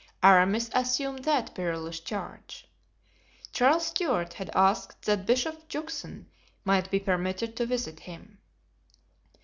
Aramis assumed that perilous charge. Charles Stuart had asked that Bishop Juxon might be permitted to visit him.